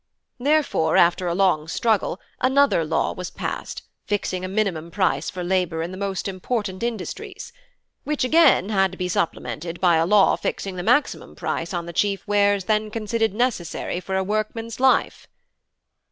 Therefore after a long struggle another law was passed fixing a minimum price for labour in the most important industries; which again had to be supplemented by a law fixing the maximum price on the chief wares then considered necessary for a workman's life."